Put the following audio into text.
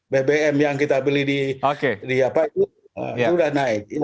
bbm yang kita beli di di apa itu itu udah naik oke ya